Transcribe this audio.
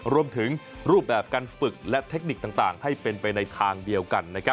รูปแบบการฝึกและเทคนิคต่างให้เป็นไปในทางเดียวกัน